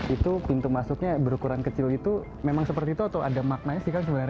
itu pintu masuknya berukuran kecil itu memang seperti itu atau ada maknanya sih kan sebenarnya